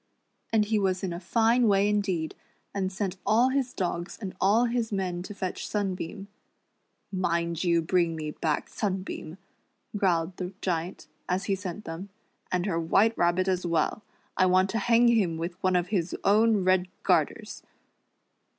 And he was in a fine wa\' indeed, and sent all his dogs and all his men to fetch Sunbeam. "Mind you bring me back Sunbeam," growled the Giant, as he sent them, "and her White Rabbit as well. I want to hang him with one of his own red garters."